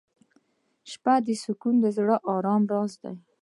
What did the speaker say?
• د شپې سکون د زړه د ارام راز دی.